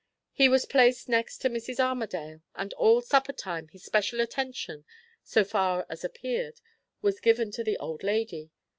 He was placed next to Mrs. Armadale, and all supper time his special attention, so far as appeared, was given to the old lady.